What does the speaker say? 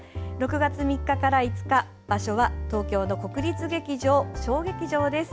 ６月３日から５日場所は東京の国立劇場小劇場です。